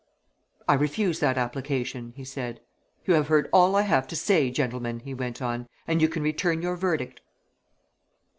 "I refuse that application!" he said. "You have heard all I have to say, gentlemen," he went on, "and you can return your verdict."